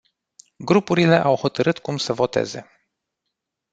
Grupurile au hotărât cum să voteze.